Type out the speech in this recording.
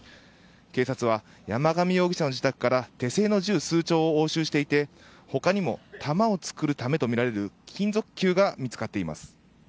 警察は山上容疑者の自宅から手製の銃、数丁を押収していて他にも弾を作るためとみられる金属球が見つかっています。